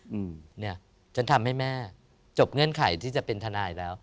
อืมเนี่ยฉันทำให้แม่จบเงื่อนไขที่จะเป็นทนายแล้ว